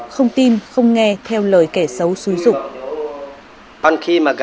không tin không nghe theo lời kẻ xấu xúi dục